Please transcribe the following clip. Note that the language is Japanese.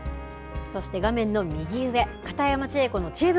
そして画面の右上、片山千恵子のちえ袋。